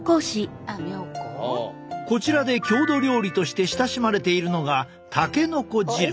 こちらで郷土料理として親しまれているのがたけのこ汁。